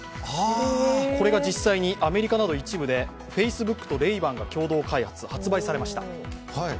これが実際にアメリカなど一部でＦａｃｅｂｏｏｋとＲａｙ−Ｂａｎが共同開発、発売されました。